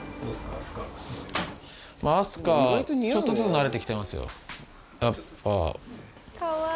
明日香ちょっとずつなれて来てますよ。